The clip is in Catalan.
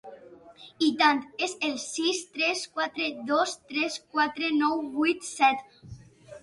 I tant, és el sis tres quatre dos tres quatre nou vuit set.